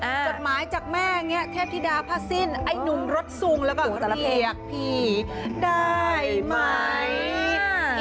จดหมายจากแม่แทบทิดาพระสิ้นไอ้หนุ่มรสสุงแล้วก็เหลียกผีกได้ไหม